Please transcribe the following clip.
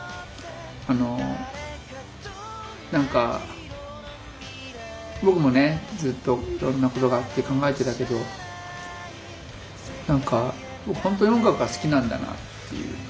なんか僕もねずっといろんなことがあって考えてたけどなんか僕本当に音楽が好きなんだなっていう。